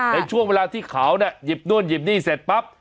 ในช่วงเวลาที่เขาหยิบนู่นหยิบนี่เสร็จปั๊บ